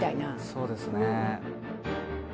そうですね。